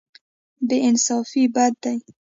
بې انصافي بد دی.